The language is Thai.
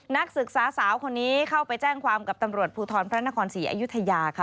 นักศึกษาสาวคนนี้เข้าไปแจ้งความกับตำรวจภูทรพระนครศรีอยุธยาค่ะ